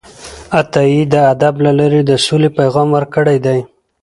عطايي د ادب له لارې د سولې پیغام ورکړی دی